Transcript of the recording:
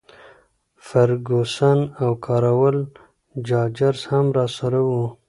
فرګوسن او کراول راجرز هم راسره وو.